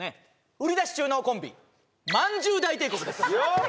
売り出し中のコンビまんじゅう大帝国ですよっ！